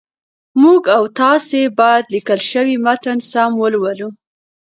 موږ او تاسي باید لیکل شوی متن سم ولولو